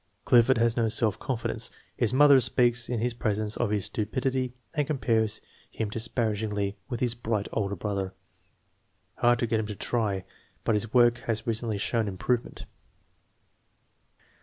Clifford has no self confidence. His .mother speaks in his presence of his stupidr and compares him disparag ingly with his bright older brother. Hard to get Him to try, but his work has recently shown improvement.